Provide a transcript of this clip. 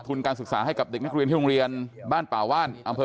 การศึกษาให้กับเด็กนักเรียนที่โรงเรียนบ้านป่าว่านอำเภอ